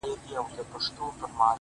• پر کومي لوري حرکت وو حوا څه ډول وه؛